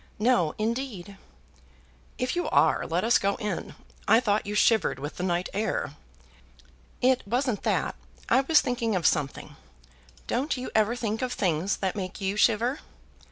"No indeed." "If you are let us go in. I thought you shivered with the night air." "It wasn't that. I was thinking of something. Don't you ever think of things that make you shiver?"